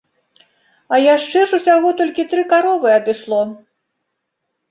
А яшчэ ж усяго толькі тры каровы адышло.